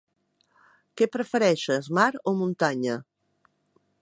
Què prefereixes, mar o muntanya?